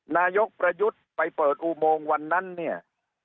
นายกประยุทธ์ไปเปิดอุโมงวันนั้นเนี่ย